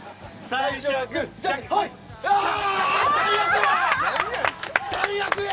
最悪や。